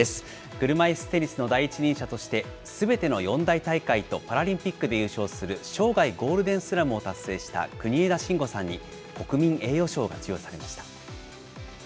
車いすテニスの第一人者として、すべての四大大会とパラリンピックで優勝する生涯ゴールデンスラムを達成した国枝慎吾さんに、国民栄誉賞が授与されました。